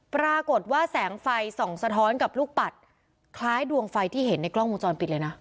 ปรากฏว่าแสงไฟส่องสะท้อนกับลูกปัดคล้ายดวงไฟที่เห็นในกล้องวงจรปิดเลยนะ